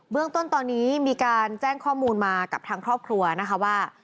เรื่องต้นตอนนี้มีการแจ้งข้อมูลมากับทางครอบครัวนะคะว่า